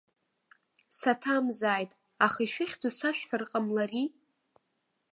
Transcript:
Саҭамзааит, аха ишәыхьӡу сашәҳәар ҟамлари?